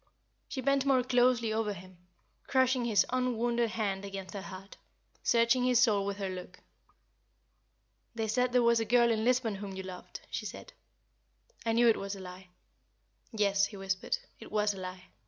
She bent more closely over him, crushing his un wounded hand against her heart searching his soul with her look. "They said there was a girl in Lisbon whom you loved," she said. "I knew it was a lie." "Yes," he whispered, "it was a lie.